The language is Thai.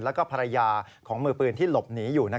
แล้วก็ภรรยาของมือปืนที่หลบหนีอยู่